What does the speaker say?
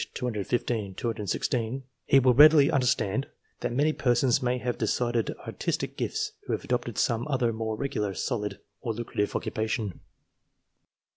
208, he will readily understand that many persons may have decided artistic gifts who have adopted some other more regular, solid, or lucrative occupation.